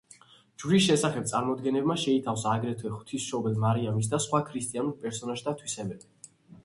ჯვრის შესახებ წარმოდგენებმა შეითავსა აგრეთვე ღვთისმშობელ მარიამის და სხვა ქრისტიანულ პერსონაჟთა თვისებები.